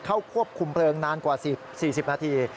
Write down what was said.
เข้าควบคุมเพลิงนานกว่า๔๐นาที